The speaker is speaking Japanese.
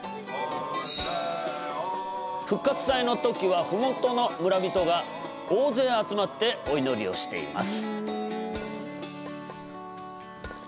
復活祭の時は麓の村人が大勢集まってお祈りをしています。